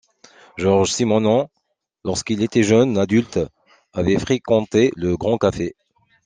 Georges Simenon, lorsqu'il était jeune adulte, avait fréquenté le Grand café.